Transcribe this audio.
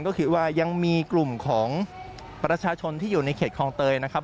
ก็คือว่ายังมีกลุ่มของประชาชนที่อยู่ในเขตคลองเตยนะครับ